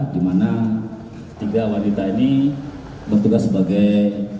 di mana tiga wanita ini bertugas sebagai